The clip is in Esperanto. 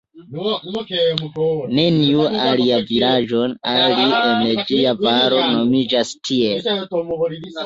Neniu alia vilaĝo, alie en ĝia valo, nomiĝas tiel.